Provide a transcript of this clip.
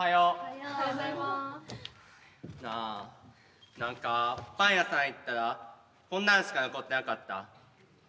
なあ何かパン屋さん行ったらこんなんしか残ってなかった。